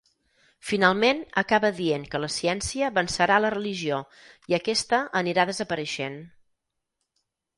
Finalment acaba dient que la ciència vencerà a la religió i aquesta anirà desapareixent.